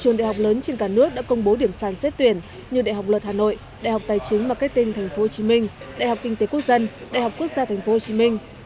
trường đại học lớn trên cả nước đã công bố điểm sàn xét tuyển như đại học luật hà nội đại học tài chính marketing tp hcm đại học kinh tế quốc dân đại học quốc gia tp hcm